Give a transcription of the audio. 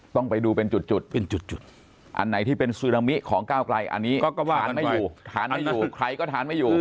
ต้องไปดูเป็นจุดเป็นจุดอันไหนที่เป็นซึนามิของก้าวไกลอันนี้ก็ทานไม่อยู่ทานไม่อยู่ใครก็ทานไม่อยู่